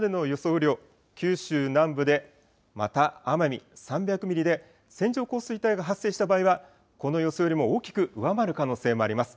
雨量、九州南部でまた奄美３００ミリで、線状降水帯が発生した場合は、この予想よりも大きく上回る可能性もあります。